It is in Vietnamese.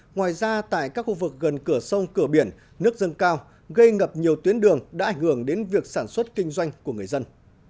ngoài ra tại các khu vực gần cửa sông cửa biển nước dâng cao gây ngập nhiều tuyến đường đã ảnh hưởng đến việc sản xuất kinh doanh của người dân